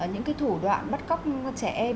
những cái thủ đoạn bắt cóc trẻ em